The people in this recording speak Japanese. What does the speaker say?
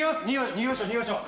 逃げましょう逃げましょう。